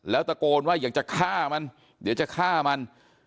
แล้วตะโกนว่าอยากจะฆ่ามันเดี๋ยวจะฆ่ามัน